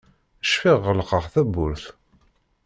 Cfiɣ ɣelqeɣ tawwurt.